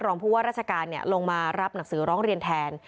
รองผู้ว่ารัชการลงมารับหนังสื๒๐๐๗๑๑๒๐๑๒